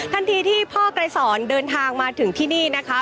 ทันทีที่พ่อกลายสอนเดินทางมาถึงที่นี่นะคะ